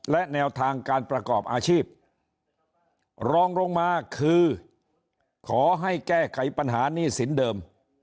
และแนวทางการประกอบอาชีพรองลงมาคือขอให้แก้ไขปัญหาหนี้สินเดิม